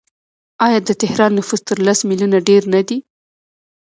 آیا د تهران نفوس تر لس میلیونه ډیر نه دی؟